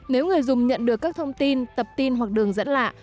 nếu người dùng nhận được các thông tin tập tin hoặc đường dẫn lạ